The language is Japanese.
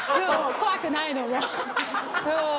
怖くないのもう。